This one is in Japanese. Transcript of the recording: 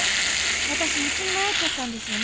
私道に迷っちゃったんですよね。